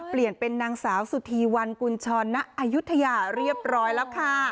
เปลี่ยนเป็นนางสาวสุธีวันกุญชรณอายุทยาเรียบร้อยแล้วค่ะ